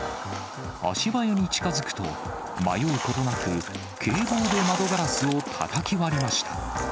足早に近づくと、迷うことなく、警棒で窓ガラスをたたき割りました。